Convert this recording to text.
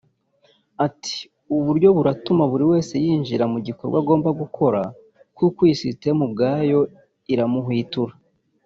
Ati ˝Ubu buryo buratuma buri wese yinjira mu gikorwa agomba gukora kuko iyi sisiteme ubwayo iramuhwitura